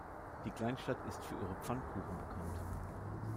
Die Kleinstadt ist für ihre Pfannkuchen bekannt.